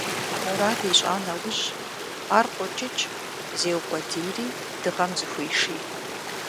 Мурад ищӀа нэужь, ар къокӀыкӀ, зеукъуэдийри дыгъэм зыхуеший.